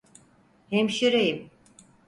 Hemşireyim.